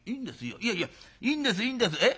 いやいやいいんですいいんです。